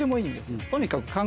とにかく。